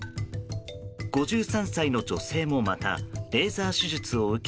５３歳の女性もまたレーザー手術を受け